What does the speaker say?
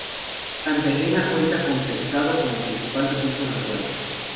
Santa Elena cuenta con pescado como principal recurso natural.